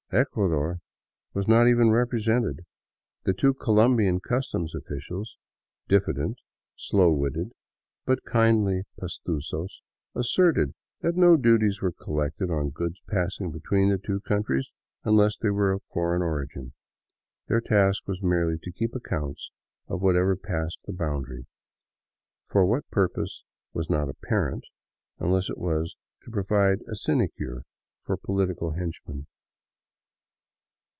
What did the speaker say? Ecuador was not even represented; the two Colombian customs officials, diffident, slow witted, but kindly pastusos, asserted that no duties were collected on goods passing between the two countries, unless they were of foreign origin. Their task was merely to keep account of whatever passed the boundary ; for what purpose was not apparent, unless it was to pro vide a sinecure for political henchmen.